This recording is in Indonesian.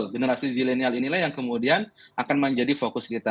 jadi generasi zilenial inilah yang kemudian akan menjadi fokus kita